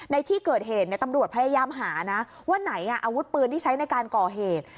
ในที่เกิดเหตุตำรวจพยายามหานะว่าไหนอาวุธปืนที่ใช้ในการก่อเหตุ